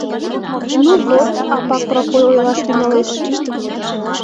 — Ну вот, — Апак Прокой ойлаш тӱҥалеш...